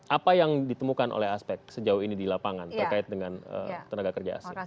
apa yang ditemukan oleh aspek sejauh ini di lapangan terkait dengan tenaga kerja asing